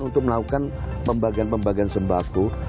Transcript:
untuk melakukan pembagian pembagian sembako